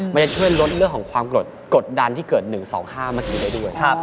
มันจะช่วยลดเรื่องของความกดดันที่เกิด๑๒๕เมื่อกี้ได้ด้วย